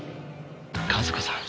和子さん。